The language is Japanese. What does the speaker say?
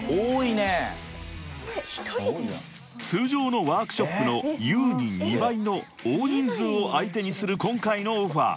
［通常のワークショップの優に２倍の大人数を相手にする今回のオファー］